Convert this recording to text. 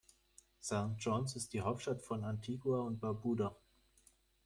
St. John’s ist die Hauptstadt von Antigua und Barbuda.